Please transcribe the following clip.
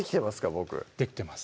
僕できてます